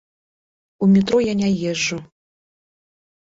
У метро я не езджу.